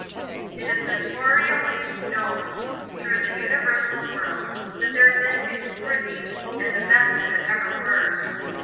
"It is notoyrly knowen thorugh the vnyuersal world that there been ix worthy and the best that ever were.